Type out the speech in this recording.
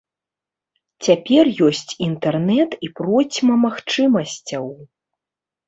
Цяпер ёсць інтэрнэт і процьма магчымасцяў.